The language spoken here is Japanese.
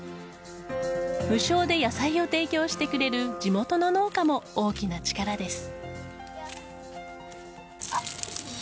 無償で野菜を提供してくれる地元の農家も大きな力です。